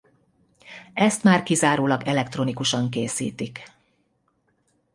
Ezt már kizárólag elektronikusan készítik.